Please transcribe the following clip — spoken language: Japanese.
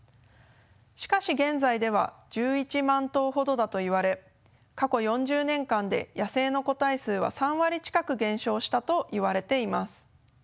しかし現在では１１万頭ほどだといわれ過去４０年間で野生の個体数は３割近く減少したといわれています。